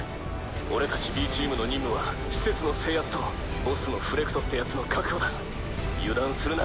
俺たちＢチームの任務は施設の制圧とボスのフレクトってヤツの確保だ油断するな。